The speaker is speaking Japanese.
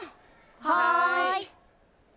はい。